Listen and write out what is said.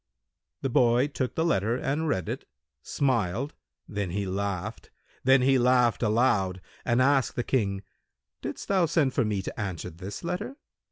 The boy took the letter and read it, smiled; then he laughed; then he laughed aloud and asked the King, "Didst thou send for me to answer this letter?"